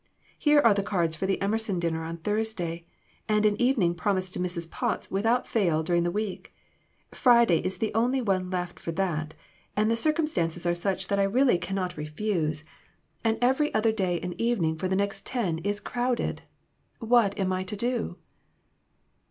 Here are cards for the Emerson dinner on Thursday, and an evening promised to Mrs. Potts without fail during the week. Friday is the only one left for that, and the circumstances are such that I really cannot 312 EMBARRASSING QUESTIONS. refuse, and every other day and evening for the next ten is crowded. What am I to do